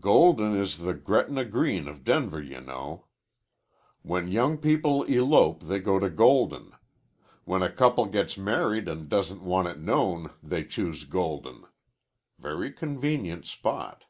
"Golden is the Gretna Green of Denver, you know. When young people elope they go to Golden. When a couple gets married and doesn't want it known they choose Golden. Very convenient spot."